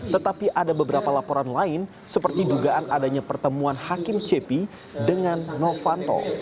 tetapi ada beberapa laporan lain seperti dugaan adanya pertemuan hakim cepi dengan novanto